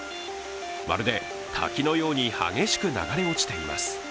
まるで、滝のように激しく流れ落ちています。